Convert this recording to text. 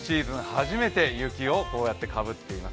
初めて雪をこうやってかぶっている。